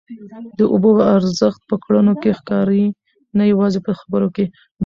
د اوبو ارزښت په کړنو کي ښکاري نه یوازي په خبرو کي.